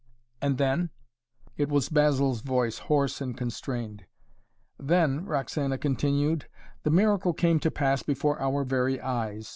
"And then?" It was Basil's voice, hoarse and constrained. "Then," Roxana continued, "the miracle came to pass before our very eyes.